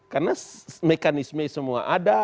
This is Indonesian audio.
karena mekanisme semua ada